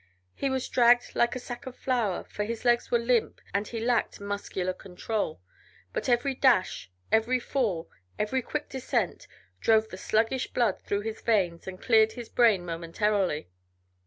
He was dragged like a sack of flour for his legs were limp and he lacked muscular control, but every dash, every fall, every quick descent drove the sluggish blood through his veins and cleared his brain momentarily.